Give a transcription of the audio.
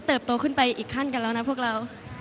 โตขึ้นไปอีกขั้นกันแล้วนะพวกเรา